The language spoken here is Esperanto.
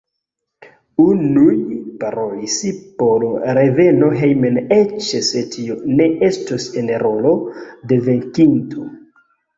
Unuj parolis por reveno hejmen eĉ se tio ne estos en rolo de venkinto.